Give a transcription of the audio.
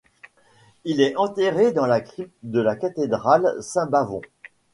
Il est enterré dans la crypte de la cathédrale Saint-Bavon.